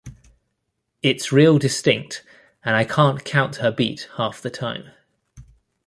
It's real distinct, and I can't count her beat half the time.